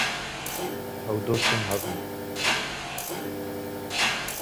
Ew dostên hev in